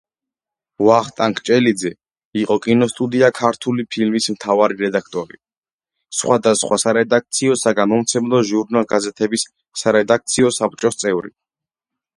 ვახტანგ ჭელიძე იყო კინოსტუდია „ქართული ფილმის“ მთავარი რედაქტორი, სხვადასხვა სარედაქციო-საგამომცემლო, ჟურნალ-გაზეთების სარედაქციო საბჭოს წევრი.